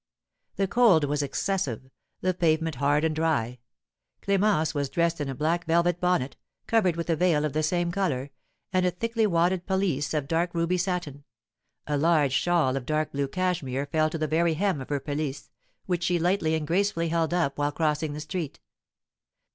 The cold was excessive; the pavement hard and dry. Clémence was dressed in a black velvet bonnet, covered with a veil of the same colour, and a thickly wadded pelisse of dark ruby satin, a large shawl of dark blue cashmere fell to the very hem of her pelisse, which she lightly and gracefully held up while crossing the street.